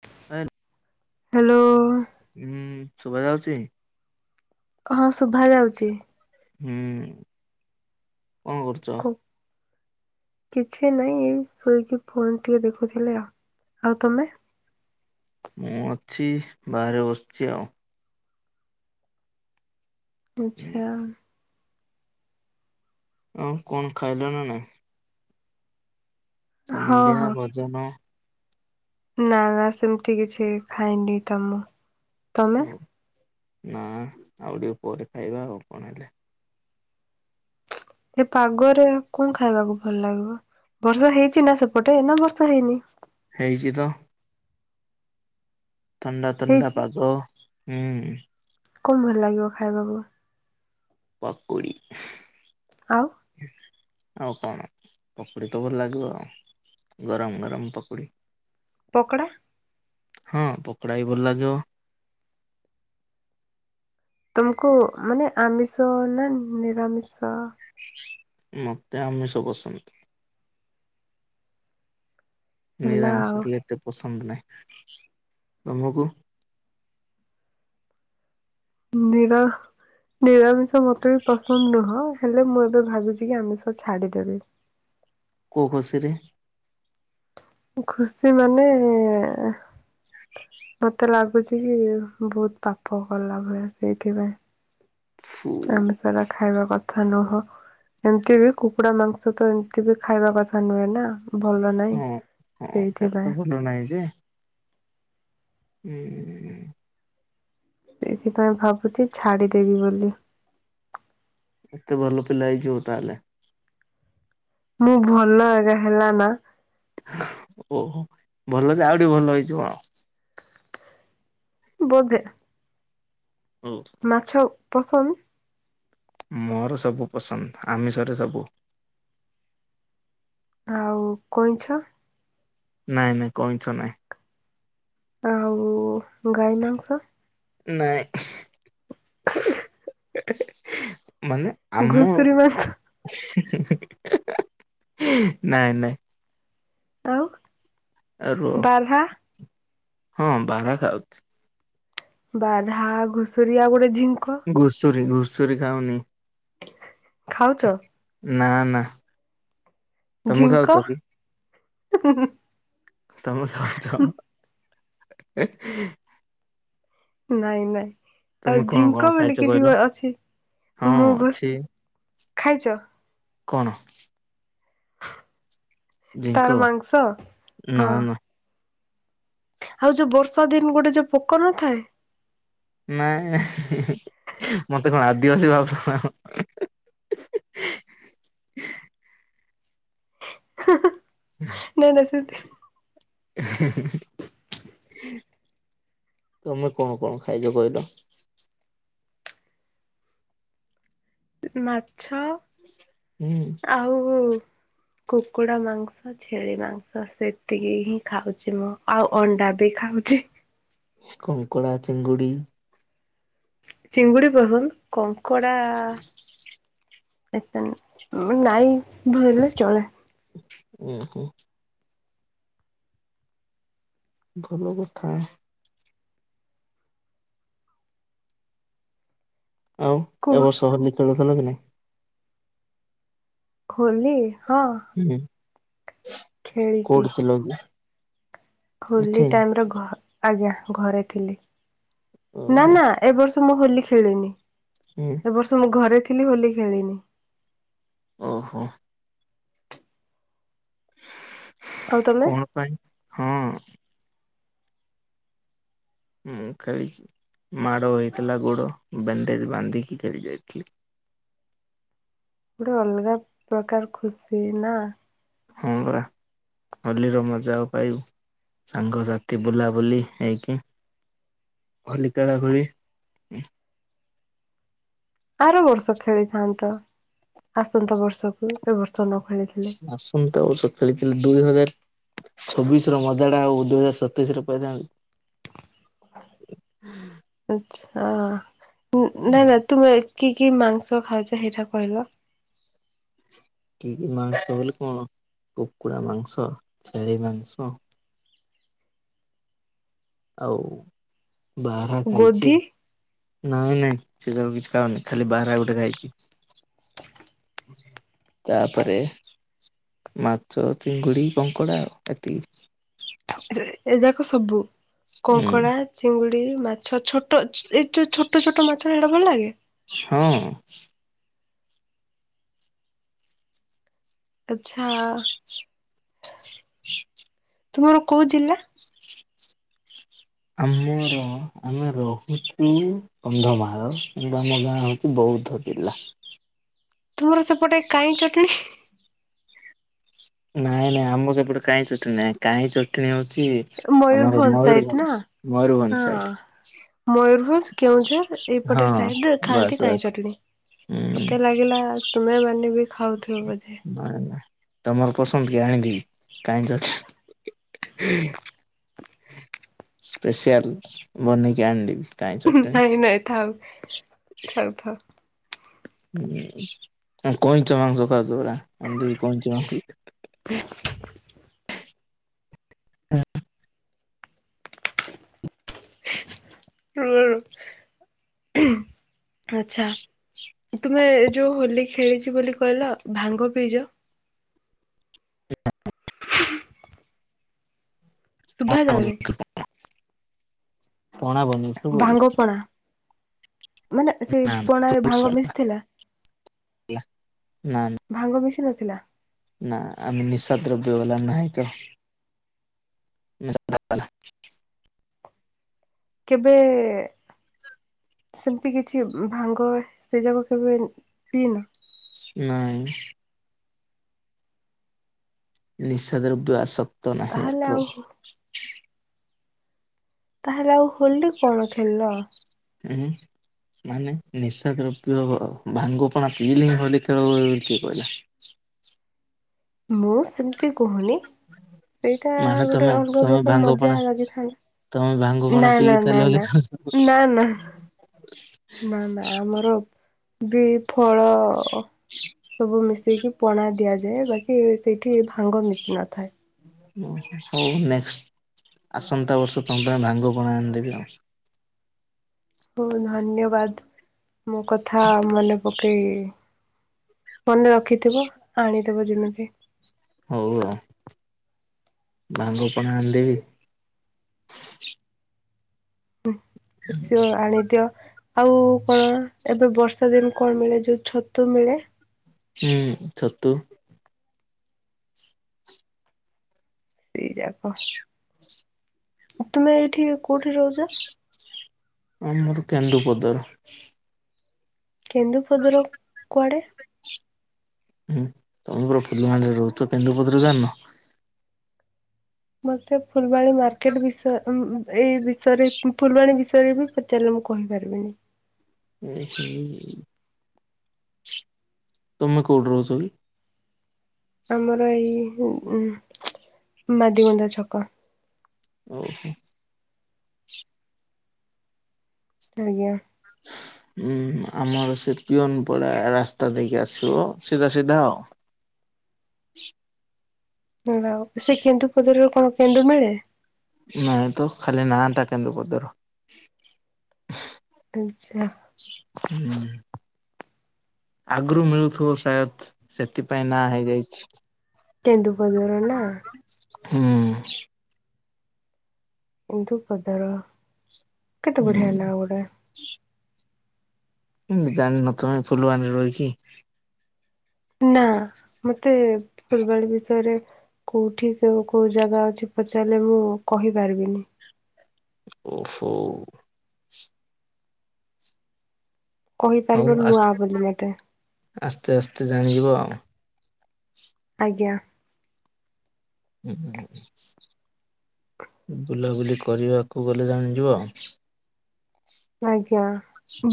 [unintelligible] Hello. ଉଁ ଶୁଭା ଯାଉଛି। ହଁ ଶୁଭା ଯାଉଛି। ହୁଁ କଣ କରୁଛ? କିଛି ନାଇଁ ଏ ଶୋଇକି ଫୋନ ଟିକେ ଦେଖୁଥିଲେ ଆଉ। ଆଉ ତମେ? ମୁଁ ଅଛି ବାହାରେ ବସିଛି ଆଉ। ଛି ଆଉ। ଆଉ କଣ ଖାଇଲ ନା ନାଇଁ? ହଁ ସନ୍ଧ୍ୟା ହଁ ଭୋଜନ ନା ନା ସେମିତି କିଛି ଖାଇନି ତ ମୁଁ। ତମେ? ହଉ ନା ଆଉ ଟିକେ ପରେ ଖାଇବା ଆଉ କଣ ହେଲେ। ଏ ପାଗରେ କଣ ଖାଇବାକୁ ଭଲ ଲାଗିବ? ବର୍ଷା ହେଇଛି ନା ସେପଟେ ନା ବର୍ଷା ହେଇନି? ହେଇଛି ତ। ଥଣ୍ଡା ଥଣ୍ଡା ହେଇଛି ପାଗ ହୁଁ। କଣ ଭଲ ଲାଗିବ ଖାଇବାକୁ? ପକୁଡ଼ି। ଆଉ ଆଉ କଣ ପକୁଡ଼ି ତ ଭଲ ଲାଗିବ ଆଉ ଗରମ ଗରମ ପକୁଡ଼ି। ପୋକଡ଼ା? ହଁ ପକୋଡା ବି ଭଲ ଲାଗିବ। ତମକୁ ମାନେ ଆମିଷ ନା ନିରାମିଷ? ମତେ ଆମିଷ [unintelligible] ବସନ୍ଦ। ହେଲା ଆଉ ନିରାମିଷ ଟିଏ ଏତେ ପସନ୍ଦ ନାହିଁ। ତମକୁ? ନିରା, ନିରାମିଷ ମତ ବି ପସ ହମ୍ ନୁହଁ ହେଲେ ମୁଁ ଏବେ ଭାବୁଛି କି ଆମିଷ ଛାଡ଼ିଦେବି। କୋଉ ଖସି ରେ? ଖୁସି ମାନେ [inaudible] ମତେ ଲାଗୁଛି କି ବହୁତ ପାପ କଲା ଭଳିଆ ସେଇଥିପାଇଁ। ଫୁ ଆମିଷ ଟା ଖାଇବା କଥା ନୁହ। ଏମତି ବି କୁକୁଡା ମାଂସ ତ ଏମିତି ବି ଖାଇବା କଥା ନୁହେଁ ନା। ଭଲ ନାଇଁ ହଁ ହଁ ସେଇଥିପାଇଁ। [unintelligible] ଯେ ହୁଁଁ ସେଇଥିପାଇଁ ଭାବୁଛି ଛାଡ଼ିଦେବି ବୋଲି। ଏତେ ଭଲ ପିଲା ହେଇ ଯିବ ତାହେଲେ। ମୁଁ ଭଲ ଆ୍ା ହେଲା ନା। ଓହୋ ଭଲ ଜେ ଆଉଠି ଭଲ ହେଇଛିିବ ଆଉ। ବଧେ। ହଉ। ମାଛ ପସନ୍ଦ? ମୋର ସବୁ ପସନ୍ଦ ଆମିଷରେ ସବୁ। ଆଉ କଇଁଛ? ନାଇଁ ନାଇଁ କଇଁଛ ନାଇଁ। ଆଉ ଗାଈ ମାଂସ? ନାଇଁ। ମାନେ? ଆମ ଘୁଷୁରୀ ମାଂସ ନାଇଁ ନାଇଁ ଆଉ? ଆ ରୁହ ବାର୍ହା ହଁ ବାରା ଖାଉଛି। ବାର୍ହା ଘୁଷୁରୀ ଆଉ ଗୋଟେ ଝିଙ୍କ ଘୁଷୁରୀ ଘୁଷୁରୀ ଖାଉନି। ଖାଉଛ? ନା ନା। ତମେ ଖାଉଛ ଝିଙ୍କ? କି? ତମେ ଖାଉଛ। ନାଇଁ ନାଇଁ। ଆଉ ତମେ କଣ କଣ ଝିଙ୍କ ଖାଇଛ ବୋଲି କିଛି କହିଲ? ଅଛି ହଁ ମୁଁ ବସ୍‌ ଅଛି ଖାଇଚ? କଣ? ଜିଙ୍କ ତାର ମାଂସ ନା ହଁ। ନା ଆଉ ଯୋଉ ବର୍ଷା ଦିନ ଗୋଟେ ଯୋଉ ପୋକ ନଥାଏ? ନାଇଁ ମତେ କଣ ଆଦିବାସୀ ଭାବ ନାଇଁ ନାଇଁ ସେତି ତମେ କଣ କଣ ଖାଇଚ କହିଲ? ମାଛ। ହୁଁ। ଆଉ କୁକୁଡ଼ା ମାଂସ। ଛେଳି ମାଂସ ସେତିକି ହିଁ ଖାଉଛି ମୁଁ ଆଉ ଅଣ୍ଡା ବି ଖାଉଚି। କଙ୍କଳା ଚିଙ୍ଗୁଡି ଚିଙ୍ଗୁଡି ପସନ୍ଦ କଙ୍କଡ଼ା ଏତେ ନାଇଁ ଭଲ ଚଣା। ଉଁ ହୁଁ। ଭଲ କଥା। ଆଉ କୁହ ଏବର୍ଷ ହୋଲି ଖେଳୁଥିଲ ନା ନାଇଁ? ହୋଲି ହଁ। ହୁଁ ଖେଳିଛି କୋଉଠି ଥିଲକି? ହୋଲି ଟାଇମରେ ଘ ଆଜ୍ଞା ଘରେ ଥିଲି ନା ଓହୋ ନା ଏ ବର୍ଷ ମୁଁ ହୋଲି ଖେଳିନି। ହୁଁ। ଏ ବର୍ଷ ମୁଁ ଘରେ ଥିଲି ହୋଲି ଖେଳିନି। ଓହୋ। ଆଉ ତମେ? କଣ ପାଇଁ ହଁ ମୁଁ ଖେଳିଛି ମାଡ଼ ହୋଇଥିଲା ଗୋଡ ବ୍ୟନ୍ଦେଜ ବାନ୍ଧିକି ଖେଳି ଯାଇଥିଲି। ଗୋଟେ ଅଲଗା ପ୍ରକାର ଖୁସି ନା ହଁ ପରା। ହୋଲିରେ ମଜା ଆଉ ପାଇବୁ ସାଙ୍ଗସାଥି ବୁଲାବୁଲି ହେଇକି ହୋଲି କେଳ ହୁଏ। ଆର ବର୍ଷ ଖେଳିଥାନ୍ତ ଆସନ୍ତା ବର୍ଷକୁ ଏ ବର୍ଷ ନ ଖେଳିକି। ହସ୍। ହ ତଉ ସଖଳିଥିଲ ଦୁଇ ହଜାର ଛବିଶ ର ମଜା ଟା ଆଉ ଦୁଇ ହଜାର ସତେଇଶରେ ପାଇଥାନ୍ତି। ଆଛା ନାଁଇ ନା ତୁମେ କି କି ମାଂସ ଖାଉଛ ହେଇଟା କହିଲ? କି କି ମାଂସ ବୋଲି କଣ କୁକୁଡ଼ା ମାଂସ ଛେଳି ମାଂସ ଆଉ ବାର୍ହା ଖାଇଛି। ଗୋଧି ନାଇଁ ନାଇଁ ସେସବୁ କିଛି ଖାଉନି ଖାଲି ବର୍ହା ଗୋଟେ ଖାଇଛି। ତାପରେ ମାଛ, ଚିଙ୍ଗୁଡି, କଙ୍କଡ଼ା ଆଉ ଏତିକି। ଏ ଯାକ ସବୁ ହୁଁ କଙ୍କଡା, ଚିଙ୍ଗୁଡି, ମାଛ ଛୋ ତଚ୍ ଏଇ ଯୋଉ ଛୋଟ ଛୋଟ ମାଛ ହେଇଡା ଭଲ୍ ଲାଗେ? ହଁ। ଆଚ୍ଛା ତୁମର କଉ ଜିଲ୍ଲା? ଆମର ଆମେ ରହୁଛୁ କନ୍ଧମାଳ କିନ୍ତୁ ଆମ ଗାଁ ହଉଛି ବୌଦ୍ଧ ଜିଲ୍ଲା। ତୁମର ସେପଟେ କାଇଁ ଚଟଣି ନାଇଁ ନାଇଁ ଆମ ସେପଟେ କାଇଁ ଚଟଣୀ ନାଇଁ କାଇଁ ଚଟଣୀ ହଉଚି ଆମର ମୟୂରଭଞ୍ଜ ସାଇଟ୍ ମୟୂର୍ଭଞ୍ଜ୍ ମୟୂର୍ଭଞ୍ଜ୍ ସାଇଡ୍ ମୟୂର୍ଭଞ୍ଜ୍, କେଉଁଝର୍ ହଁ ଏଇପଟେ ସାଇଡ୍ ରେ ବାସ୍ ଖାଆନ୍ତି କାଇଁ ବାସ୍। ଚଟିଣୀ। ହୁଁ ମତେ ଲାଗିଲା ତୁମେ ମାନେ ବି ଖାଉଥିବ ବୋଧେ। କଣ ହେଲା? ତମର୍ ପସନ୍ଦ୍ କି ଆନ୍ଧି ଙ୍କାଇଁଚ। ସ୍ପେଶିଆଲ୍ ବନେଇକି ଆଣ୍ଦେବି। ଉଁହୁଁ ନାଇଁ ନାଇଁ ଥାଉ ଥାଉ ଥାଉ। ନା ଙ୍କଇଁଚ ମାଉଁସ ପାଦ ଉରା ଆଣ୍ଦେବି ଙ୍କଇଁଚ [unintelligible] [unintelligible] [unintelligible] ଆଚ୍ଛା। ତୁମେ ଯୋଉ ହୋଲି ଖେଳିଚି ବୋଲି କହିଲ ଭାଙ୍ଗ ପିଇଜ? [unintelligible] ଶୁଭା ପଣା ଯାଉନେଇ। ବନେଇଥିଲୁ ପଣା ବନେଇ ଭାଙ୍ଗପଣା। ମାନେ ସେଇ ନା ନା ପଣାରେ ଫ୍ରୁଟସ ଭାଙ୍ଗ ବାଲା ମିଶ୍ଥିଲା? ନା ନା। ଭାଙ୍ଗ ମିଶି ନଥିଲା? ନା ଆମେ ନିଃଶା ଦ୍ରବ୍ୟ ବାଲା ନାହିଁ ତ। [unintelligible] କେବେ ସେମ୍ତି କିଛି ଭାଙ୍ଗ ସେ ଯାକ କେବେ ପିଇନ? ନାଇଁ। ନିଃସା ଦ୍ରବିୟ ଆସକ୍ତ ନାହିଁ ତାହେଲେ ଆଉ ଆଟ୍ରୋପ୍। ତାହେଲେ ଆଉ ହୋଲି କଣ ଖେଲ? ଉଁ ହୁଁ। ମାନେ ନିଶା ଦ୍ରବ୍ୟହବ ଭାଙ୍ଗ ପଣା ପିଇଲେ ହିଁ ହୋଲି ଖେଳ ହୁଏ ବୋଲି କିଏ କହିଲା? ମୁଁ ସେମ୍ତି କହୁନି। ସେଇଟା ମାନେ ଗୋଟେ ତମେ ଅଲ୍ଗା ତମେ ପ୍ରକାର ଭାଙ୍ଗ ମଜା ପଣା ତମେ ଭାଙ୍ଗ ଲାଗିଥାଏ। ପଣା ନା ପିଇକି ନା ତାହେଲେ ନା ହୋଲି ନା ନା ନା। ନା ନା ଆମର ବି ଫଳ ସବୁ ମିଶେଇକି ପଣା ଦିଆଯାଏ ବାକି ସେଇଠି ଭାଙ୍ଗ ମିଶି ନଥାଏ। ହଉ ନେଷ୍ଟ୍ ଆସନ୍ତା ବର୍ଷ ତମ୍ ପାଇଁ ଭାଙ୍ଗ ପଣା ଆଣିଦେବି ଆଉ। ପୁଲ୍ ଧନ୍ୟବାଦ୍ ମୋ କଥା ମନେ ପ କେ ମନେ ରଖିଥିବ ଆଣିଦବ ଯେମିତି। ହଉ ଆଉ ଭାଙ୍ଗ ପଣା ଆଣିଦେବି। [unintelligible] ଆଣିଦିଅ ଆଉ କଣ ଏବେ ବର୍ଷ ଦିନ କଣ ମିଳେ ଯୋଉ ଛତୁ ମିଳେ। ହୁଁ ଛତୁ। ଦି ଯାକ ତୁମେ ଏଇଠି କଉଠି ରହୁଛ? ଆମର କେନ୍ଦୁପଦା। କେନ୍ଦୁପଦାରୁ କୁଆଡ଼େ? ହୁଁ ତମେ ପରା ଫୁଲବାଣୀରେ ରହୁଚ କେନ୍ଦୁପଦାର ଜାଣି ନ। ମତେ ଫୁଲବାଣୀ ମାର୍କେଟ ବିଷୟ ଉଁ ଏଇ ବିଷୟରେ ଫୁଲବାଣୀ ବିଷୟରେ ବି ପଚାରିଲେ ମୁଁ କହିପାରିବିନି। ହୁଁ ହୁଁ। ତମେ କଉଠି ରହୁଛ କି? ଆମର ଏଇ ଉ ମାଡିବନ୍ଧା ଛକ। ଓହୋ। ଆଜ୍ଞା। [inaudible] ହୁଁ ହୁଁ ଆମର ସେ ପିଅନପଡା ରାସ୍ତା ଦେଇକି ଆସିବ ସିଧା ସିଧା ଆଉ। ଭଲ ଆଉ ସେ କେନ୍ଦୁପଦାରୁ କଣ କେନ୍ଦୁ ମିଳେ? ନାଇଁ ତ ଖାଲି ନାଁ ତା କେନ୍ଦୁପଦାର। ଆଛା। ହୁଁ। ଆଗରୁ ମିଳୁଥିବ ସାୟଦ ସେଥିପାଇଁ ନାଁ ହେଇଯାଇଛି। କେନ୍ଦୁପଦା। ହୁଁ। କେନ୍ଦୁପଦାର କେତେ ବଢିଆ ନା ଗୁଡା। ଉଁ ଜାଣିନ ତ [unintelligible] ଫୁଲବାଣୀ ରହିକି। ନା ମତେ ଫୁଲବାଣୀ ବିଷୟରେ। କଉଠି କେଉଁ କେଉଁ ଜାଗା ଅଛି ପଚାରିଲେ ମୁଁ କହିପାରିବିନି। ଓହୋଉ। କହିପାରିବ ହଉ ଆ ନୂଆ ବୋଲି ମତେ ଆସ୍ତେ ଆସ୍ତେ ଜାଣିଯିବ ଆଉ। ଆଜ୍ଞା। ହୁଁ ହଁ। ବୁଲାବୁଲି କରିବାକୁ ଗଲେ ଜାଣିଯିବ। ଆଜ୍ଞା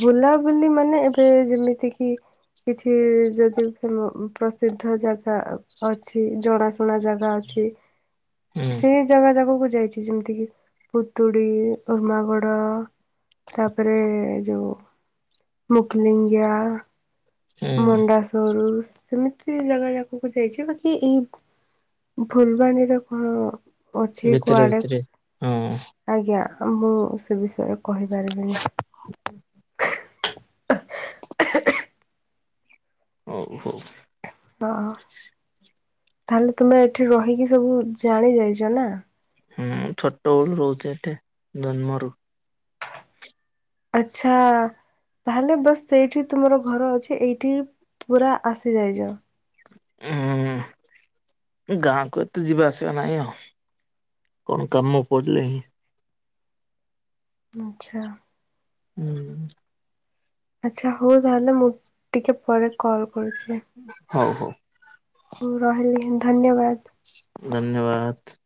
ବୁଲାବୁଲି ମାନେ ଏବେ ଯେମିତି କିି? କିଛି ଯଦି ପ୍ର ପ୍ରସିଦ୍ଧ ଜାଗା ଅଛି ଜଣାଶୁଣା ଜାଗା ଅଛି। ହୁଁ ସେଇ ଜାଗା ଯାକକୁ ଯାଇଛି ଯେମିତି କିି ପୁତୁଡି ଉର୍ମାଗଡ। ତା ପରେ ଯେଉଁ ମୁକ୍ଲିଙ୍ଗାଆ। ହୁଁ ମଣ୍ଡାସରୁସ ସେମିତି ଜାଗା ଯାକକୁ ଯାଇଛି ବାକି ଏଇ ଫୁଲବାଣୀରେ କଣ ଅଛି ଭିତରେ କୁଆଡେ। ଭିତରେ ହଁ ଆଜ୍ଞା ମୁଁ ସେ ବିଷୟରେ କହିପାରିବିନି। ହଉ ହଉ। ହଁ ତା ହେଲେ ତୁମେ ଏଠି ରହିକି ସବୁ ଜାଣି ଯାଇଛ ନା! ହୁଁ ଛୋଟ ବେଳୁ ରହୁଛ ଏଠି ଜନ୍ମରୁ। ଆଚ୍ଛା-ଆ। ତାହେଲେ ବସ ସେଇଠି ତୁମର ଘର ଅଛି ଏଇଠି ପୁରା ଆସିଯାଇଚ। ଉଁ-ଉ। ଗାଁକୁ ଏତେ ଯିବା ଆସିବା ନାଇଁ ଆଉ କଣ କାମ ପଡ଼ିଲେ ହିଁ ଆଚ୍ଛା। ହୁଁ। ଆଚ୍ଛା ହୋଉ ତାହେଲେ ମୁଁ ଟିକେ ପରେ କଲ୍ କରୁଛି। ହୋଉ ହୋଉ। ଉ ରହିଲି ହିଁ ଧନ୍ୟବାଦ। ଧନ୍ୟବାଦ୍।